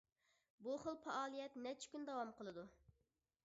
بۇ خىل پائالىيەت نەچچە كۈن داۋام قىلىدۇ.